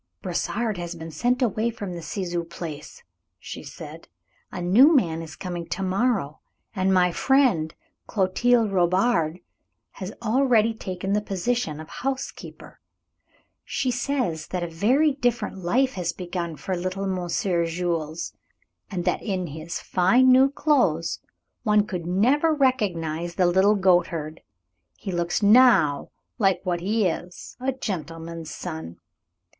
"Brossard has been sent away from the Ciseaux place," she said. "A new man is coming to morrow, and my friend, Clotilde Robard, has already taken the position of housekeeper. She says that a very different life has begun for little Monsieur Jules, and that in his fine new clothes one could never recognize the little goatherd. He looks now like what he is, a gentleman's son.